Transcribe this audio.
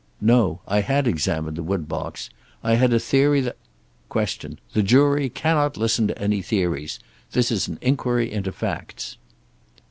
"No. I had examined the woodbox. I had a theory that " Q. "The Jury cannot listen to any theories. This is an inquiry into facts."